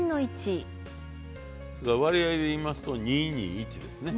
割合でいいますと２２１ですね。